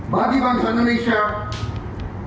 bagi bangsa indonesia indonesia first